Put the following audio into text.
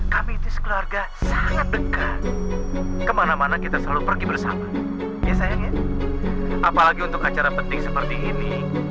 kami itu sekeluarga sangat dekat kemana mana kita selalu pergi bersama ya sayang ya apalagi untuk acara penting seperti ini